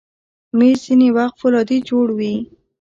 مېز ځینې وخت فولادي جوړ وي.